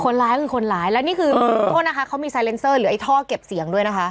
คนร้ายคือคนร้ายแล้วนี่คือโทษนะคะเขามีไซเลนเซอร์หรือไอ้ท่อเก็บเสียงด้วยนะคะ